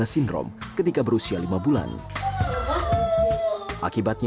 kondisi ubi mendorong grace untuk membuatnya lebih mudah dan lebih mudah untuk mengurangi